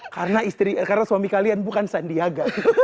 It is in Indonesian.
karena istri karena suami kalian bukan sandiaga